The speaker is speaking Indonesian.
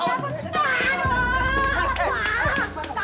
yang laba atau atau